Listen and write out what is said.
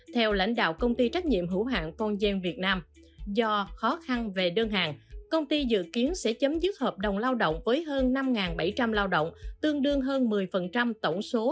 theo lãnh đạo công ty trách nhiệm hữu hạng konj việt nam do khó khăn về đơn hàng công ty dự kiến sẽ chấm dứt hợp đồng lao động với hơn năm bảy trăm linh lao động tương đương hơn một mươi tổng số